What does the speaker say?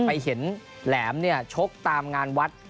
ไปเห็นแหลมเนี่ยชกตามงานวัด